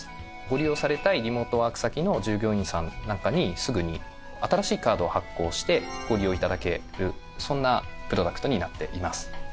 ご利用されたいリモートワーク先の従業員さんなんかにすぐに新しいカードを発行してご利用頂けるそんなプロダクトになっています。